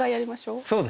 そうですね。